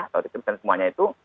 kalau di kristen semuanya itu